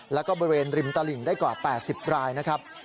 แล้วก็บริเวณริมตลิ่งได้กว่า๘๐รายนะครับ